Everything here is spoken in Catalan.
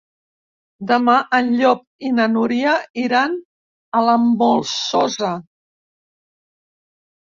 Demà en Llop i na Núria iran a la Molsosa.